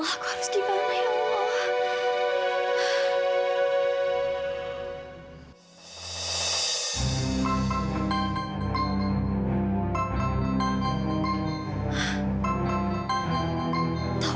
aku masih di luar